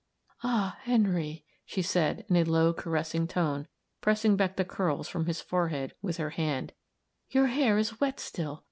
"Ah, Henry," she said, in a low, caressing tone, pressing back the curls from his forehead with her hand, "your hair is wet still.